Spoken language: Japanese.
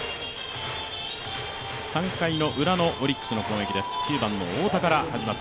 ３回のウラのオリックスの攻撃です。